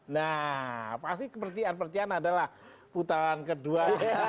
nah pasti kepentingan kepentingan adalah putaran kedua